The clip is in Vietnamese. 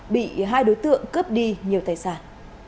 bị hai đối tượng cướp đi nhiều tài sản